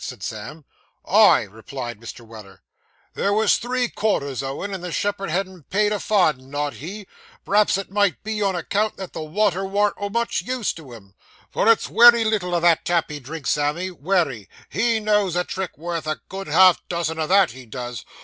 said Sam. 'Ay,' replied Mr. Weller, 'there was three quarters owin', and the shepherd hadn't paid a farden, not he perhaps it might be on account that the water warn't o' much use to him, for it's wery little o' that tap he drinks, Sammy, wery; he knows a trick worth a good half dozen of that, he does.